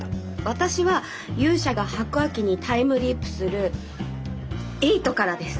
私は勇者が白亜紀にタイムリープするⅧからです。